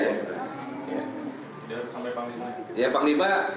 ya sampai panglima